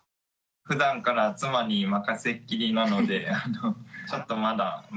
ふだんから妻に任せっきりなのでちょっとまだ難しそう。